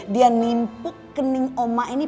dia nimpok kening oma ini